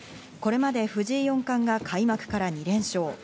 これまで藤井四冠が開幕から２連勝。